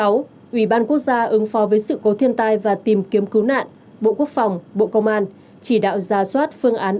ủy ban quốc gia ứng phó với sự cố thiên tai và tìm kiếm cứu nạn bộ quốc phòng bộ công an chỉ đạo ra soát phương án